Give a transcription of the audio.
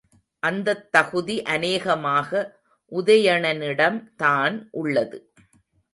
அந்தத் தகுதி அநேகமாக உதயணனிடம் தான் உள்ளது.